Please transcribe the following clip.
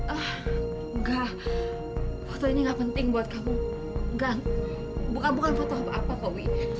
enggak foto ini nggak penting buat kamu kang bukan bukan foto apa apa kok wih